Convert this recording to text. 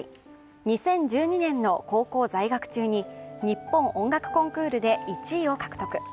２０１２年の高校在学中に日本音楽コンクールで１位を獲得。